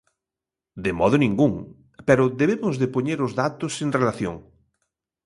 De modo ningún, pero debemos de poñer os datos en relación.